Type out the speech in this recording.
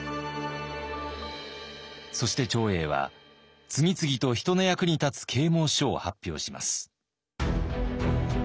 そして長英は次々と人の役に立つ啓もう書を発表します。